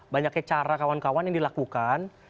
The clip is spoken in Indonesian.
banyaknya cara kawan kawan yang dilakukan